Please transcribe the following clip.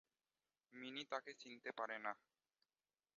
Mini তাকে চিনতে পারে না।